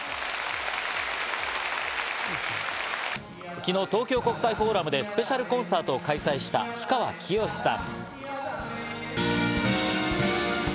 昨日、東京国際フォーラムでスペシャルコンサートを開催した、氷川きよしさん。